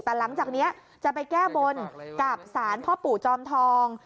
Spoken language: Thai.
แต่หลังจากนี้จะไปแก้บนกับสารพ่อปู่จอมทอง